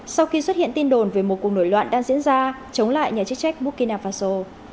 sau khi xuất hiện tin đồn về một cuộc nổi loạn đang diễn ra chống lại nhà chức trách burkina faso